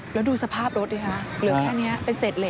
แล้วดูสภาพรถดิคะเหลือแค่นี้เป็นเศษเหล็